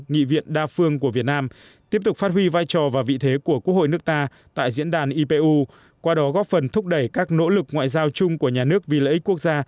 nghị viện đa phương của việt nam tiếp tục phát huy vai trò và vị thế của quốc hội nước ta